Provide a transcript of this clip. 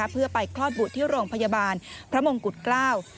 เพื่อไปคลอดบุตรที่โรงพยาบาลพระมงกุฎเกล้า